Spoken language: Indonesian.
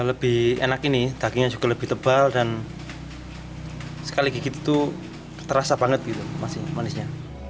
lebih enak ini dagingnya juga lebih tebal dan sekali gigit itu terasa banget gitu masih manisnya